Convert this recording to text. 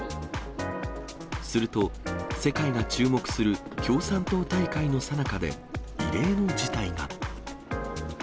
すると、世界が注目する共産党大会のさなかで、異例の事態が。